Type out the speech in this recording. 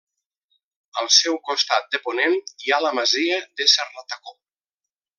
Al seu costat de ponent hi ha la masia de Serratacó.